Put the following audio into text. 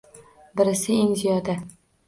Birisi eng ziyoda.